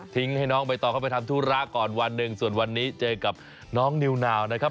ให้น้องใบตองเข้าไปทำธุระก่อนวันหนึ่งส่วนวันนี้เจอกับน้องนิวนาวนะครับ